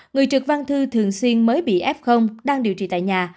người trực văn thư thường xuyên mới bị f đang điều trị tại nhà